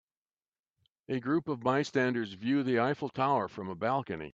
A group of bystanders view the Eiffel Tower from a balcony.